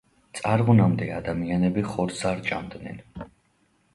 წარღვნამდე ადამიანები ხორცს არ ჭამდნენ.